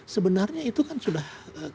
sebenarnya itu kan sudah